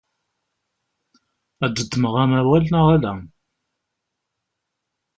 Ad d-ddmeɣ amawal neɣ ala?